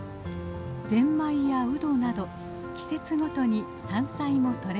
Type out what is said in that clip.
ゼンマイやウドなど季節ごとに山菜もとれます。